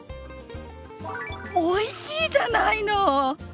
おいしいじゃないの！